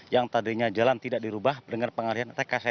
yang tadinya jalan tidak dirubah dengan pengalihan